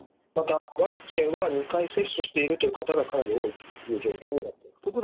また、ワクチンは２回接種しているという方がかなり多いという状況です。